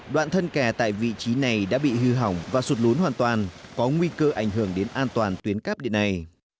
đoạn thân kè tại vị trí này đã bị hư hỏng và sụt lún hoàn toàn có nguy cơ ảnh hưởng đến an toàn tuyến cắp điện này